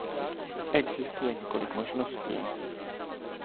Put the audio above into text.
Existuje několik možností.